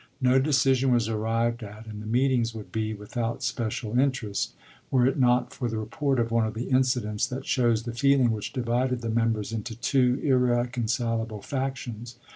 No decision was arrived at, and the meetings would be without special interest, were it not for the report of one of the incidents that shows the feeling which divided the members into two ir reconcilable factions.